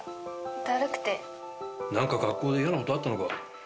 何か学校で嫌なことあったのか？